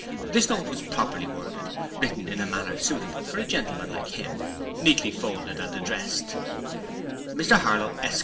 This note was properly worded, written in a manner suitable for a gentleman like him, neatly folded and addressed: Mr Harlow Esq.